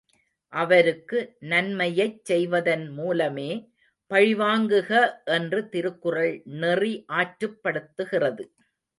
அவருக்கு நன்மையைச் செய்வதன் மூலமே பழிவாங்குக என்று திருக்குறள் நெறி ஆற்றுப்படுத்துகிறது.